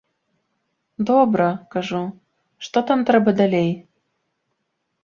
Добра, кажу, што там трэба далей?